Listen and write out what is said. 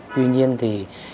tuy nhiên thì